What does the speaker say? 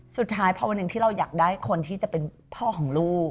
สุดท้ายพอวันหนึ่งที่เราอยากได้คนที่จะเป็นพ่อของลูก